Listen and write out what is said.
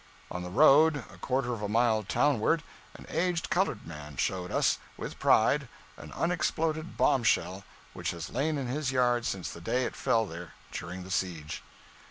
On the road, a quarter of a mile townward, an aged colored man showed us, with pride, an unexploded bomb shell which has lain in his yard since the day it fell there during the siege.